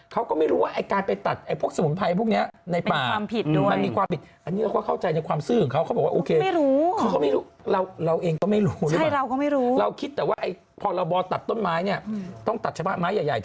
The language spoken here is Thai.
เขาก็ไม่รู้ว่าไอ้การไปตัดพวกสมุนไพรพวกนี้ในป่า